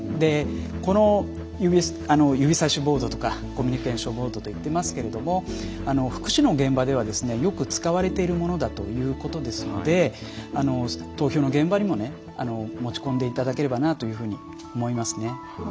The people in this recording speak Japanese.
この指さしボードとかコミュニケーションボードと言っていますけれども福祉の現場ではよく使われているものだということですので投票の現場にも持ち込んでいただければなというふうに思いますね。